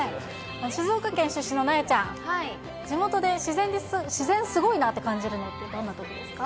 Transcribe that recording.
静岡県出身のなえちゃん、地元で自然、すごいなって感じるの、どんなときですか？